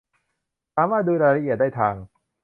สามารถดูรายละเอียดได้ทาง